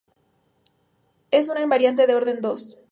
Es un invariante de orden dos.